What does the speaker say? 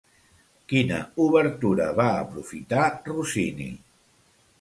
Quina obertura va aprofitar Rossini?